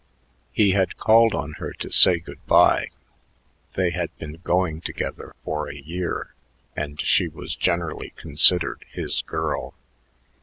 He had called on her to say good by. They had been "going together" for a year, and she was generally considered his girl.